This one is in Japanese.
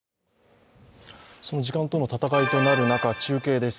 その時間との闘いとなる中、中継です。